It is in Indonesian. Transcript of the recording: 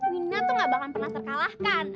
mina tuh gak bakal pernah terkalahkan